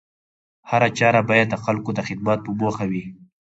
هره چاره بايد د خلکو د خدمت په موخه وي